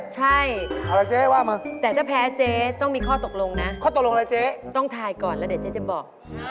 ใช่แต่ถ้าแพ้เจ๊ต้องมีข้อตกลงนะต้องถ่ายก่อนแล้วเดี๋ยวเจ๊จะบอก